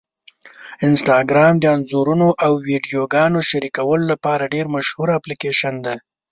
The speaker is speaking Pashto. انسټاګرام د انځورونو او ویډیوګانو شریکولو لپاره ډېره مشهوره اپلیکېشن ده.